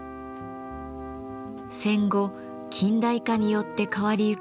戦後近代化によって変わりゆく奈良。